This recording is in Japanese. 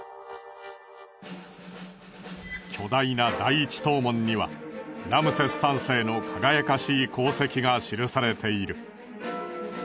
巨大な第一塔門にはラムセス３世の輝かしい功績が記されている。